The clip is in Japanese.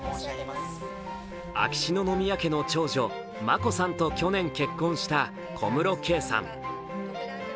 秋篠宮家の長女・眞子さんとと去年結婚した小室圭さん。